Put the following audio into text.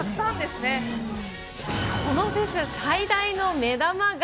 このフェス最大の目玉が。